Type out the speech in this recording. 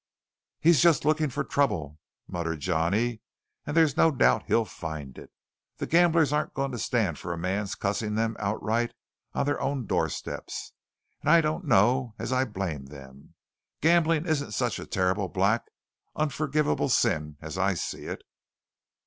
"He's just looking for trouble," muttered Johnny, "and there's no doubt he'll find it. The gamblers aren't going to stand for a man's cussing 'em outright on their own doorsteps and I don't know as I blame them. Gambling isn't such a terrible, black, unforgivable sin as I see it."